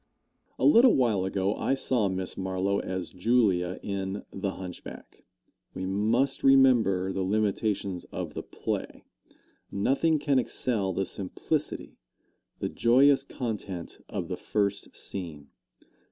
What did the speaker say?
A little while ago I saw Miss Marlowe as Julia, in "The Hunchback." We must remember the limitations of the play. Nothing can excel the simplicity, the joyous content of the first scene.